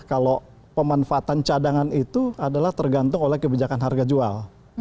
kalau pemanfaatan cadangan itu adalah tergantung oleh kebijakan harga jual